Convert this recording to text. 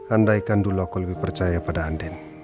andaikan dulu aku lebih percaya pada anden